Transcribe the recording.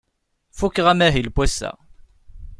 Fukeɣ amahil n wass-a.